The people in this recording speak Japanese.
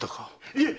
いえ！